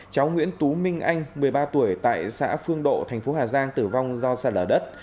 cháu nguyễn tú minh anh một mươi ba tuổi tại xã phương độ thành phố hà giang tử vong do sạt lở đất